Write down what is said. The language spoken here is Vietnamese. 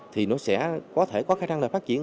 thì nó sẽ có thể có khả năng là phát triển